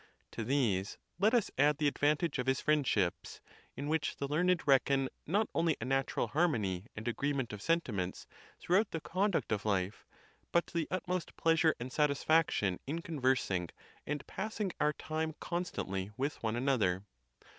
'To these let us add the advantage of his friendships; in which the learned reckon not only a natural harmony and agreement of sen timents throughout the conduct of life, but the utmost pleasure and satisfaction in conversing and passing our time constantly with one another.